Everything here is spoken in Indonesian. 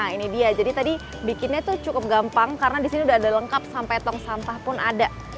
nah ini dia jadi tadi bikinnya tuh cukup gampang karena disini udah ada lengkap sampai tong sampah pun ada